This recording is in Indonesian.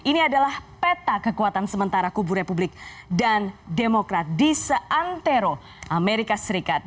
ini adalah peta kekuatan sementara kubu republik dan demokrat di seantero amerika serikat